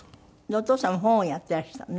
お父様本をやってらしたのね。